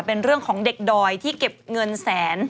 เป็นเรื่องของเด็กดอยที่เก็บเงินแสน